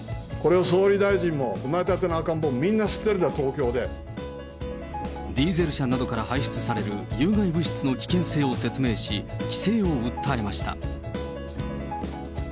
これを総理大臣も生まれたての赤ん坊もみんな吸ってるんだ、ディーゼル車などから排出される有害物質の危険性を説明し、規制を訴えました。